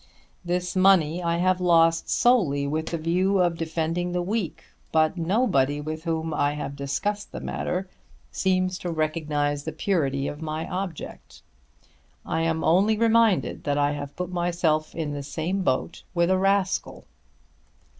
This money I have lost solely with the view of defending the weak, but nobody with whom I have discussed the matter seems to recognise the purity of my object. I am only reminded that I have put myself into the same boat with a rascal.